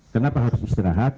kenapa harus istirahat